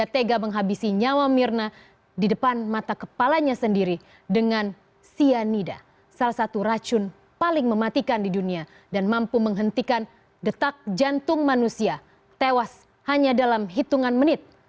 tentang manusia tewas hanya dalam hitungan menit